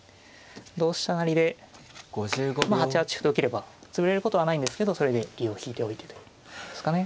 成で８八歩と受ければ潰れることはないんですけどそれで竜を引いておいてというですかね。